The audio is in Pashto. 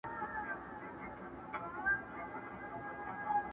ما لیدل د پښتنو بېړۍ ډوبیږي!.